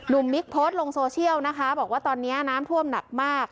มิ๊กโพสต์ลงโซเชียลนะคะบอกว่าตอนนี้น้ำท่วมหนักมาก